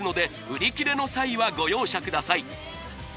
売り切れの際はご容赦ください